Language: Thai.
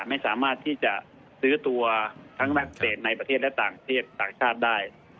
ไม่สามารถที่จะซื้อตัวทั้งนักเตะในประเทศและต่างประเทศต่างชาติได้